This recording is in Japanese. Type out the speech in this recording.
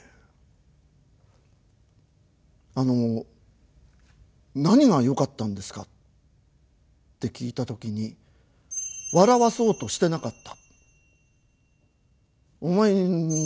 あの「何がよかったんですか？」って聞いた時に「そこがよかった。